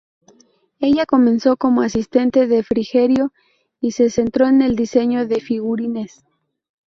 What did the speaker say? Ella comenzó como asistente de Frigerio y se centró en el diseño de figurines.